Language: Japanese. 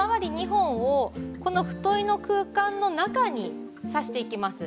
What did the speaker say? ２本をこのフトイの空間の中に挿していきます。